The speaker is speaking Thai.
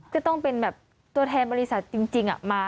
ก็ต้องเป็นแบบตัวแทนบริษัทจริงมา